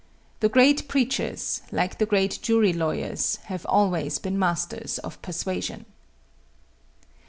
The great preachers, like the great jury lawyers, have always been masters of persuasion.